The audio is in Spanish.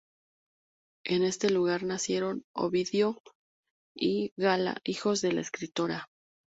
En este lugar nacieron Ovidio y Gala, hijos de la escritora.